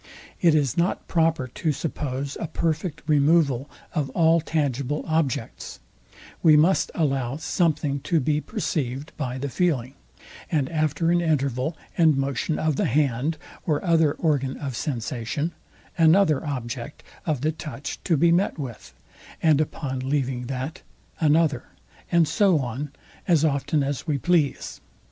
It is not proper to suppose a perfect removal of all tangible objects: we must allow something to be perceived by the feeling; and after an interval and motion of the hand or other organ of sensation, another object of the touch to be met with; and upon leaving that, another; and so on, as often as we please.